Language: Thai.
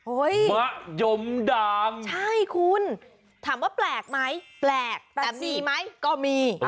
มะยมดังใช่คุณถามว่าแปลกไหมแปลกแต่มีไหมก็มี